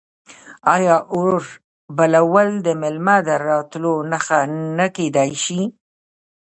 آیا اور بلول د میلمه د راتلو نښه نه کیدی شي؟